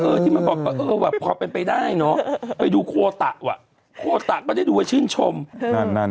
ในโชคมุยไม่บอกว่าชนา